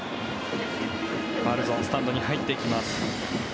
ファウルゾーンスタンドに入っていきます。